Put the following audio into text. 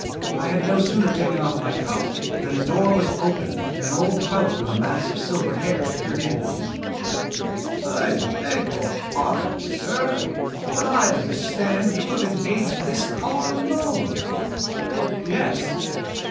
I had no sooner taken off my coat than the door was opened and an old fellow with a mass of silver hair peered in at me. "I beg your pardon, sir, but I understand you have engaged this car alone?" "Yes."